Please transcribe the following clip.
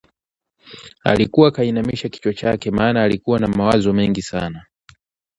alikuwa kainamisha kichwa chake maana alikuwa na mawazo mengi sana